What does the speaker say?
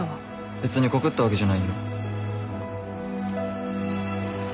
別に告ったわけじゃないよ。